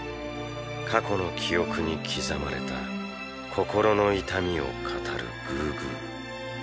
過去の記憶に刻まれた心の痛みを語るグーグー。